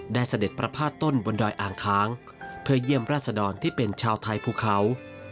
เสด็จประพาทต้นบนดอยอ่างค้างเพื่อเยี่ยมราชดรที่เป็นชาวไทยภูเขา